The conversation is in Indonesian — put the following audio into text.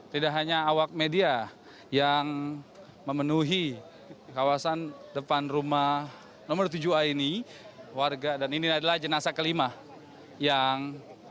tidak hanya awak media yang memenuhi kawasan depan rumah nomor tujuh a ini warga dan ini adalah jenazah kelima yang